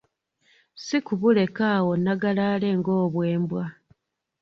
Si kubulekaawo nnagalaale ng‘obwembwa.